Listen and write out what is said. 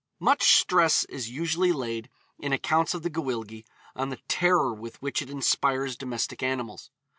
Much stress is usually laid, in accounts of the Gwyllgi, on the terror with which it inspires domestic animals.